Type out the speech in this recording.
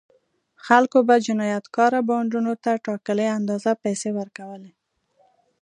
خلکو به جنایتکاره بانډونو ته ټاکلې اندازه پیسې ورکولې.